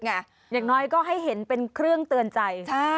อย่างน้อยก็ให้เห็นเป็นเครื่องเตือนใจ